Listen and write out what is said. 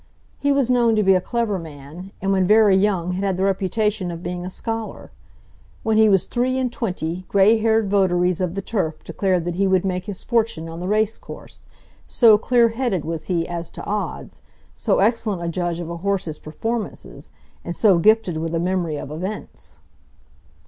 He was known to be a clever man, and when very young had had the reputation of being a scholar. When he was three and twenty grey haired votaries of the turf declared that he would make his fortune on the race course, so clear headed was he as to odds, so excellent a judge of a horse's performances, and so gifted with a memory of events.